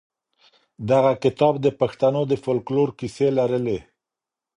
دغه کتاب د پښتنو د فولکلور کیسې لرلې.